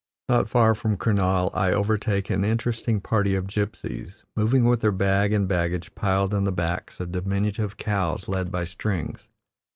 Not far from Kurnaul I overtake an interesting party of gypsies, moving with their bag and baggage piled on the backs of diminutive cows led by strings.